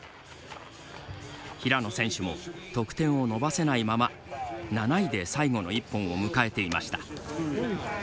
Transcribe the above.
平野選手も得点を伸ばせないまま７位で最後の一本を迎えていました。